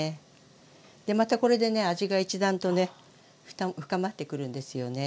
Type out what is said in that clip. またこれでね味が一段とね深まってくるんですよね。